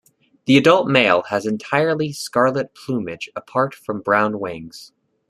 The adult male has entirely scarlet plumage apart from brown wings.